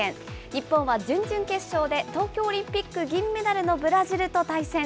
日本は準々決勝で、東京オリンピック銀メダルのブラジルと対戦。